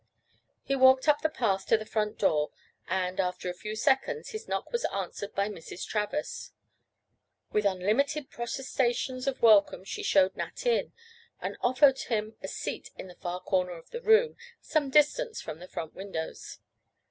He walked up the path to the front door and, after a few seconds, his knock was answered by Mrs. Travers. With unlimited protestations of welcome she showed Nat in, and offered him a seat in the far corner of the room, some distance from the front windows.